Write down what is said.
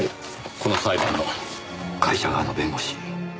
この裁判の会社側の弁護士。